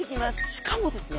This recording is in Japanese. しかもですね